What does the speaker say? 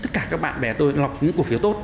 tất cả các bạn bè tôi lọc những cổ phiếu tốt